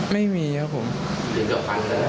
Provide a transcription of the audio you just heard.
มีปัญหาการไหนครับ